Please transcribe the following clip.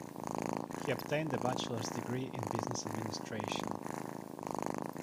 He obtained a bachelor's degree in Business Administration.